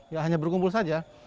ya hanya berkumpul saja